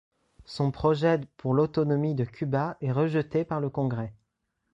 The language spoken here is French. Son projet pour l'autonomie de Cuba est rejeté par le Congrès.